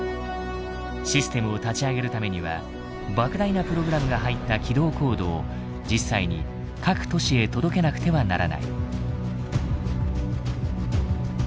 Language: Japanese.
システムを立ち上げるためには莫大なプログラムが入った起動コードを実際に各都市へ届けなくてはならない。